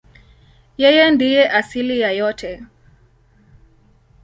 Yeye ndiye asili ya yote.